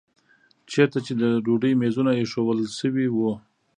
چېرته چې د ډوډۍ میزونه ایښودل شوي وو.